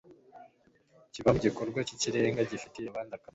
kivamo igikorwa cy'ikirenga gifitiye abandi akamaro